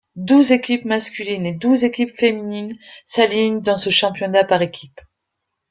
Douze équipes masculines et douze équipes féminines s'alignent dans ce championnat par équipes.